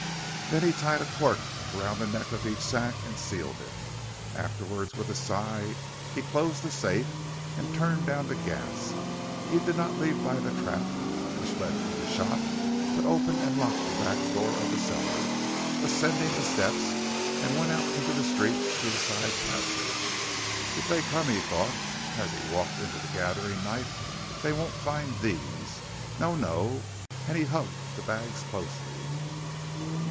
Then he tied a cord round the neck of each sack and sealed it. Afterwards, with a sigh, he closed the safe and turned down the gas. He did not leave by the trap, which led through the shop, but opened and locked the back door of the cellar, ascended the steps and went out into the street through the side passage. "If they come," he thought as he walked into the gathering night, "they won't find these. No! no!" and he hugged the bags closely.